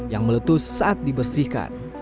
yang meletus saat dibersihkan